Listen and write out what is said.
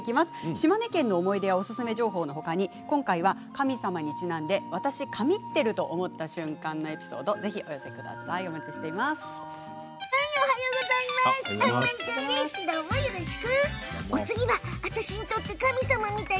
島根県の思い出やおすすめ情報のほかに、神様にちなんで私、神ってると思った瞬間をお寄せください。